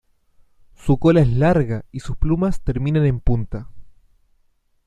Su cola es larga y sus plumas terminan en punta.